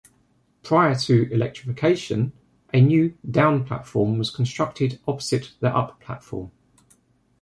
Prior to electrification a new down platform was constructed opposite the up platform.